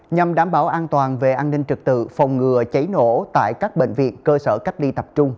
nhằm đảm bảo an toàn về an ninh trực tự phòng ngừa cháy nổ tại các bệnh viện cơ sở cách ly tập trung